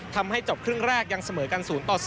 ทำให้จบครึ่งแรกยังเสมอกัน๐ต่อ๐